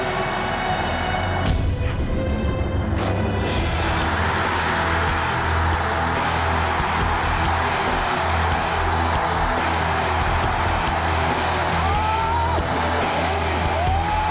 โอ้โห